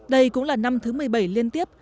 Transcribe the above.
đây cũng là năm thứ một mươi bảy liên tiếp